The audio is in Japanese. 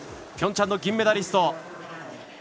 ピョンチャンの銀メダリスト。